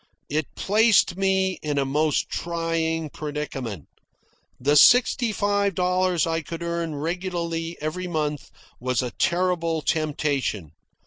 It placed me in a most trying predicament. The sixty five dollars I could earn regularly every month was a terrible temptation.